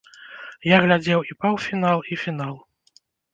Я глядзеў і паўфінал, і фінал.